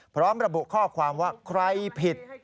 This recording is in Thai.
พร้อมระบุข้อความว่าใครผิด